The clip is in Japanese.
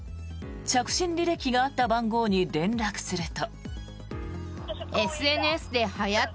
着信履歴があった番号に連絡すると。